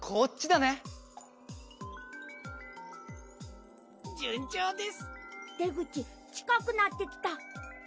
でぐちちかくなってきた。